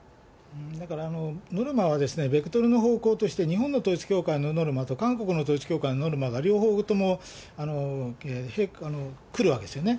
だから、ノルマはベクトルの方向として日本の統一教会のノルマと韓国の統一教会のノルマが両方とも来るわけですよね。